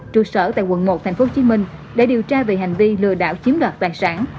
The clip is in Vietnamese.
trụ sở tại quận một tp hcm để điều tra về hành vi lừa đảo chiếm đoạt tài sản